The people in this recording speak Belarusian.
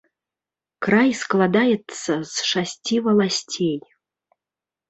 Край складаецца з шасці валасцей.